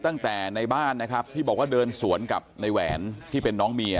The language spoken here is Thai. ตั้งแต่ในบ้านนะครับที่บอกว่าเดินสวนกับในแหวนที่เป็นน้องเมีย